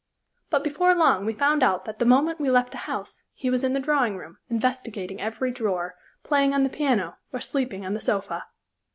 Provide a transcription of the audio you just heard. But before long we found out that the moment we left the house he was in the drawing room, investigating every drawer, playing on the piano, or sleeping on the sofa.